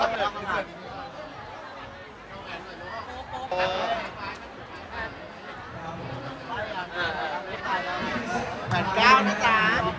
หวัดก้าวนะจ๊ะ